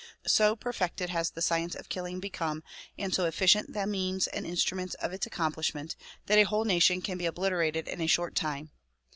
So perfected has the science of killing become and so efficient the means and instruments of its accom plishment that a whole nation can be obliterated in a short time.